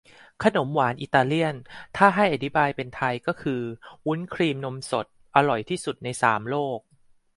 ขนมหวานอิตาเลียน ถ้าให้อธิบายเป็นไทยก็ วุ้นครีมนมสด อร่อยที่สุดในสามโลก